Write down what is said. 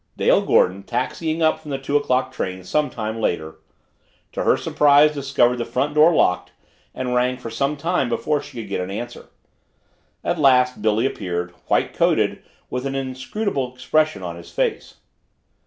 Dale Ogden, taxiing up from the two o'clock train some time later, to her surprise discovered the front door locked and rang for some time before she could get an answer. At last, Billy appeared, white coated, with an inscrutable expression on his face.